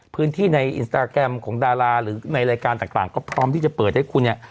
ในอินสตาแกรมของดาราหรือในรายการต่างก็พร้อมที่จะเปิดให้คุณเนี่ย